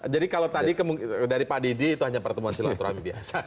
jadi kalau tadi dari pak didi itu hanya pertemuan silaturahmi biasa